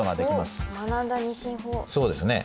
そうですね。